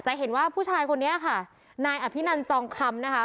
จะเห็นว่าผู้ชายคนนี้ค่ะนายอภินันต์จองข้างนี้นะครับ